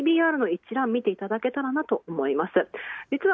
ＰＢＲの一覧、見ていただけたらと思います。